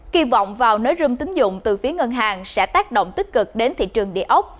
kỳ vọng vào nới rươm tính dụng từ phía ngân hàng sẽ tác động tích cực đến thị trường địa ốc